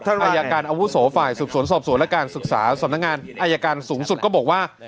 อายการอาวุโสฝ่ายสืบสวนสอบสวนและการศึกษาสำนักงานอายการสูงสุดก็บอกว่า